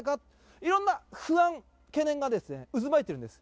いろんな不安、懸念が渦巻いてるんです。